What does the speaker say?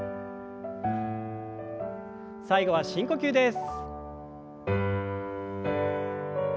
最後は深呼吸です。